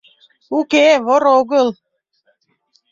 “Уке, вор огыл!